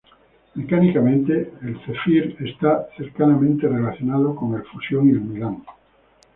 Mecánicamente el Zephyr está cercanamente relacionado con el Fusion y el Milan.